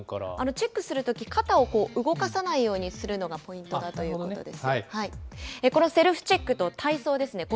チェックするとき、肩を動かさないようにするのがポイントだということです。